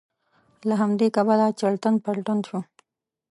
له همدې کبله چړتن پړتن شو.